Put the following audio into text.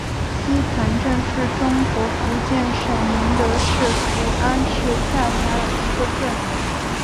溪潭镇是中国福建省宁德市福安市下辖的一个镇。